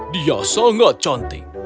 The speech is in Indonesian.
dia sangat cantik